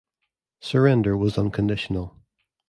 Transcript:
Surrender was unconditional.